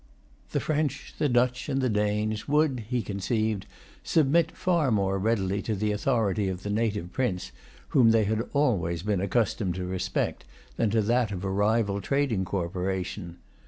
The French, the Dutch, and the Danes, would, he conceived, submit far more readily to the authority of the native Prince, whom they had always been accustomed to respect, than to that of a rival trading corporation.